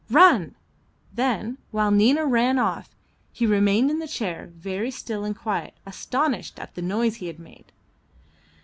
Run!" Then, while Nina ran off, he remained in the chair, very still and quiet, astonished at the noise he had made.